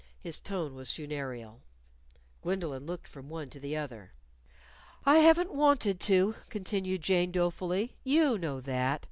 His tone was funereal. Gwendolyn looked from one to the other. "I haven't wanted to," continued Jane, dolefully. "You know that.